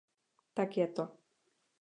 Tak je to.